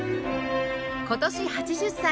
今年８０歳